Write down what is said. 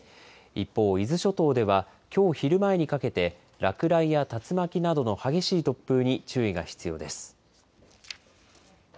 一方、伊豆諸島ではきょう昼前にかけて、落雷や竜巻などの激しい突風に注意が必要です。